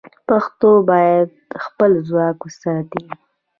پښتو باید خپل ځواک وساتي.